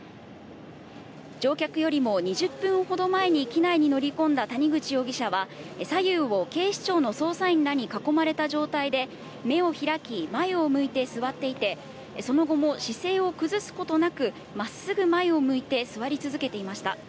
乗客よりも２０分ほど前に機内に乗り込んだ谷口容疑者は左右を警視庁の捜査員らに囲まれた状態で、目を開き、前を向いて座っていて、その後も姿勢を崩すことなく、まっすぐ前を向いて座り続けていました。